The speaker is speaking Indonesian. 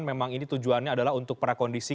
memang ini tujuannya adalah untuk para kondisi